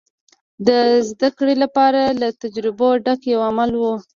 د زدهکړې لپاره له تجربو ډک یو عمل و.